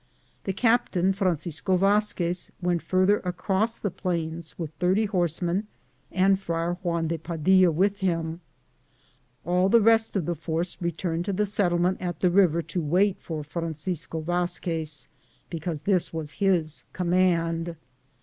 The captain, Francisco Vazquez, went farther across the plains, with 30 horsemen, and Friar Juan do Padilla with him ; all the rest of the force returned to the settlement at the river to wait for Francisco Vazquez, because this was his command.